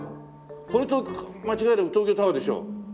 これ間違いなく東京タワーでしょ。